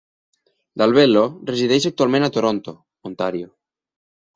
Dalbello resideix actualment a Toronto, Ontario.